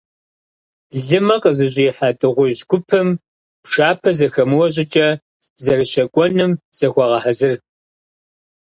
Лымэ къызыщӏихьа дыгъужь гупым, пшапэ зэхэмыуэ щӀыкӀэ, зэрыщэкӀуэнум зыхуагъэхьэзыр.